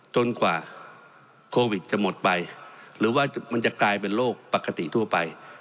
กว่าโควิดจะหมดไปหรือว่ามันจะกลายเป็นโรคปกติทั่วไป